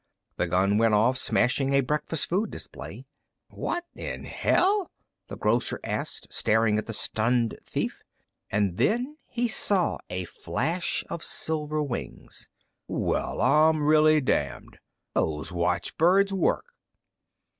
The gun went off, smashing a breakfast food display. "What in hell?" the grocer asked, staring at the stunned thief. And then he saw a flash of silver wings. "Well, I'm really damned. Those watchbirds work!"